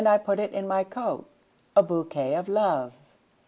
put it in my coat,A bouquet of Love!